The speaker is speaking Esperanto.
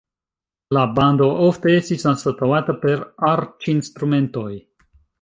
La bando ofte estis anstataŭata per arĉinstrumentoj.